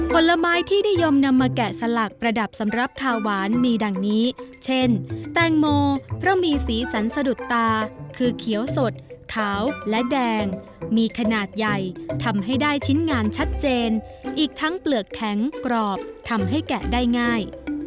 ผลไม้ที่นิยมนำมาแกะสลักประดับสำหรับขาวหวานมีดังนี้เช่นแตงโมเพราะมีสีสันสะดุดตาคือเขียวสดขาวและแดงมีขนาดใหญ่ทำให้ได้ชิ้นงานชัดเจนอีกทั้งเปลือกแข็งกรอบทำให้แกะได้ง่าย